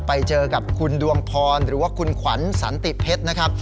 ไปเจอกับคุณดวงพรหรือว่าคุณขวัญสันติเพชรนะครับ